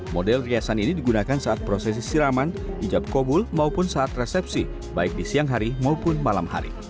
model riasan ini digunakan saat prosesi siraman hijab kobul maupun saat resepsi baik di siang hari maupun malam hari